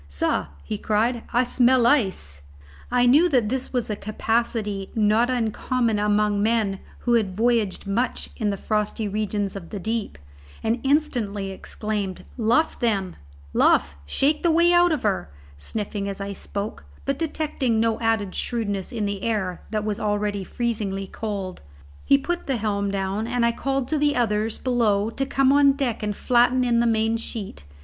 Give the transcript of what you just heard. "Sah," he cried, "I smell ice!" I knew that this was a capacity not uncommon among men who had voyaged much in the frosty regions of the deep, and instantly exclaimed, "Luff, then, luff! shake the way out of her!" sniffing as I spoke, but detecting no added shrewdness in the air that was already freezingly cold. He put the helm down, and I called to the others below to come on deck and flatten in the main sheet.